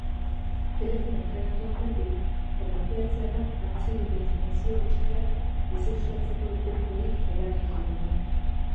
Telefonoa entregatu aurretik formateatzea da artxibo eta informazio guztiak deusteztatzeko irtenbiderik eraginkorrena.